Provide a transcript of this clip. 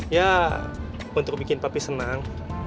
ya untuk bikin pak be senang